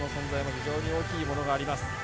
非常に大きいものがあります。